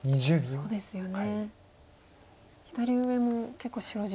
そうですね。